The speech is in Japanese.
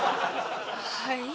はい？